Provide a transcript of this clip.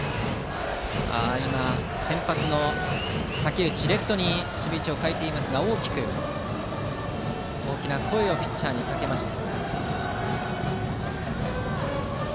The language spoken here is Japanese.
先発の武内はレフトに守備位置を変えていますが大きな声をピッチャーにかけました。